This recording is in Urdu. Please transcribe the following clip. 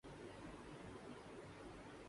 آدمی، آدمی کو کھائے چلا جاتا ہے